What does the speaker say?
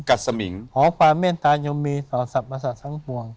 ขอความเมตายมีต่อสรรพสรรค์ทั้งปวง